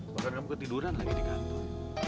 bahkan kamu ketiduran lagi di kantor